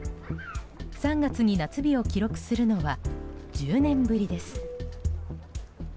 ３月に夏日を記録するのは１０年ぶりです。